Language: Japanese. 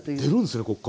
出るんすね